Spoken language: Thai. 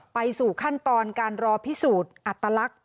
ไปสู่ขั้นตอนการรอพิสูจน์อัตลักษณ